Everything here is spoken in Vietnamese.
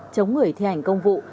chống người thi hành công vụ